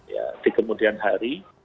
ya di kemudian hari